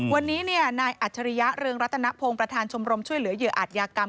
วันนี้นายอัจฉริยะเรืองรัตนพงศ์ประธานชมรมช่วยเหลือเหยื่ออาจยากรรม